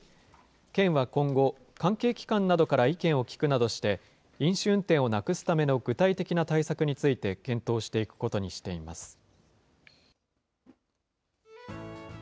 県は今後、関係機関などから意見を聞くなどして、飲酒運転をなくすための具体的な対策について検討していくことにしています。